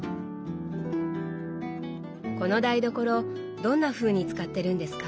この台所どんなふうに使ってるんですか？